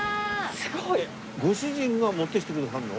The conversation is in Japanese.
すごい！ご主人が持ってきてくださるの？